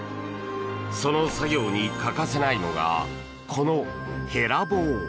その作業に欠かせないのがこのへら棒。